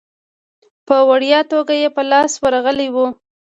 په وړیا توګه یې په لاس ورغلی وو.